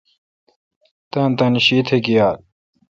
تانی تانی شی تہ گییال۔